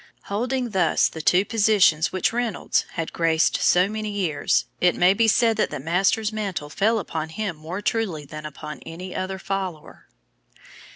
Holding thus the two positions which Reynolds had graced so many years, it may be said that the master's mantle fell upon him more truly than upon any other follower.